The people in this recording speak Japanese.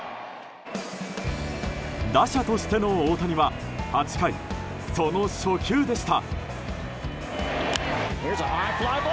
打者としての大谷は８回、その初球でした。